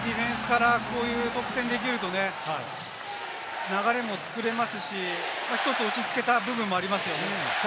ディフェンスからこういう得点ができるとね、流れも作れますし、１つ、落ち着けた部分もありますよね。